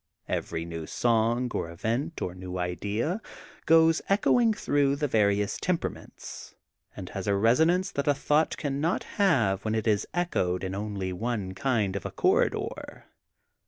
Every new song or event or new idea goes echoing through the various temperaments, and has a resonance that a thought cannot have when it is echoed in only one kind of a corridor.